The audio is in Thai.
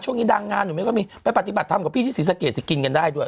ช่วงนี้ดังงานหนูไม่ค่อยมีไปปฏิบัติธรรมกับพี่ที่ศรีสะเกดสิกินกันได้ด้วย